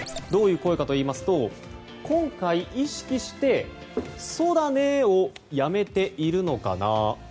どういう声かといいますと今回、意識してそだねーをやめているのかなあ。